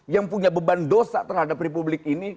yang punya beban dosa terhadap republik ini